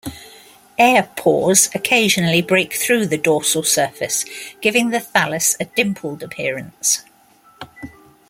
Air pores occasionally break through the dorsal surface, giving the thallus a dimpled appearance.